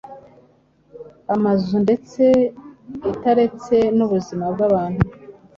amazu ndetse itaretse n’ubuzima bw’abantu.